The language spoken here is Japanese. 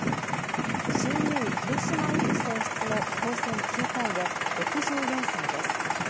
衆議院広島１区選出の当選９回で、６４歳です。